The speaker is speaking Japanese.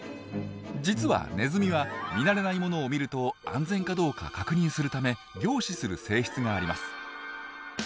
実はネズミは見慣れないものを見ると安全かどうか確認するため凝視する性質があります。